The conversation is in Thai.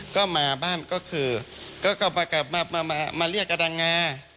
ก็มาบ้านก็คือก็มาเรียกอดังงา